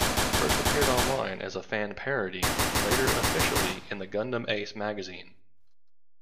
First appeared online as a fan parody, later officially in the Gundam Ace magazine.